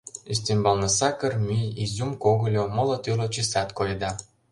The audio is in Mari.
Ӱстембалне сакыр, мӱй, изюм когыльо, моло тӱрлӧ чесат коеда.